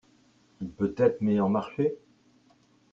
Il peut être meilleur marché ?